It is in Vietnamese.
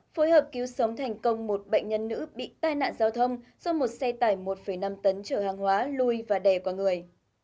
phối hợp cứu sống thành công một bệnh nhân nữ bị tai nạn giao thông do một xe tải một năm tấn chở hàng hóa lui và đè qua người